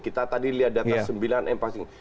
kita tadi lihat data sembilan m passing